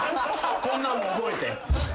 こんなんも覚えて。